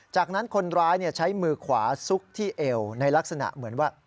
จากนั้นคนร้ายใช้มือขวาซุกที่เอวในลักษณะเหมือนว่า